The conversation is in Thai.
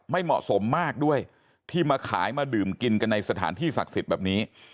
ไม่เหมาะสมมากด้วยที่มาขายมาดื่มกินกันในสถานที่ศักดิ์สิทธิ์แบบนี้